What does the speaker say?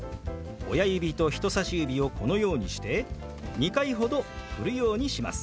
親指と人さし指をこのようにして２回ほどふるようにします。